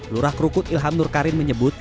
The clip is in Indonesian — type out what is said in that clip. lurah kruku ilham nurkarin menyebut